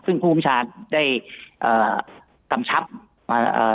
ซึ่งผู้บริษัทได้เอ่อกำชัพเอ่อเอ่อ